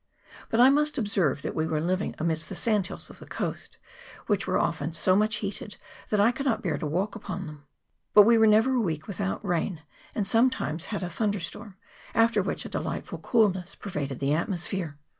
But I must observe that we were living amidst the CHAP. VII.] TEMPERATURE. 163 sand hills of the coast, which were often so much heated that I could not bear to walk upon them. But we were never a week without rain, and some times had a thunder storm, after which a delightful coolness pervaded the atmosphere.